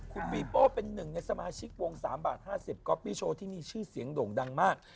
คุณปีโป้เป็นหนึ่งในสมาชิกวง๓บาท๕๐ก๊อปปี้โชว์ที่มีชื่อเสียงโด่งดังมาก